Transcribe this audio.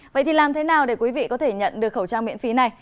vậy thì làm thế nào để quý vị có thể nhận được khẩu trang miễn phí này